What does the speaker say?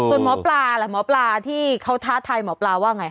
ส่วนหมอปลาล่ะหมอปลาที่เขาท้าทายหมอปลาว่าไง